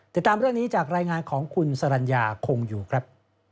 ติดตามเรื่องนี้จากรายงานของคุณสรรญาคงอยู่ครับ